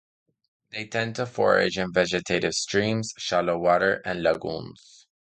They tend to forage in vegetative streams, shallow water, and lagoons.